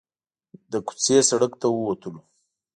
له کوڅې سړک ته وتلو.